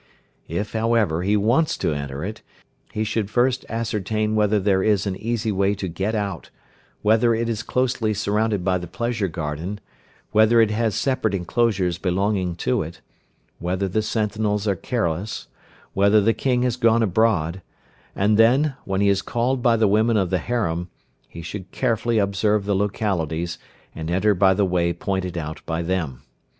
If however he wants to enter it, he should first ascertain whether there is an easy way to get out, whether it is closely surrounded by the pleasure garden, whether it has separate enclosures belonging to it, whether the sentinels are careless, whether the King has gone abroad, and then, when he is called by the women of the harem, he should carefully observe the localities, and enter by the way pointed out by them.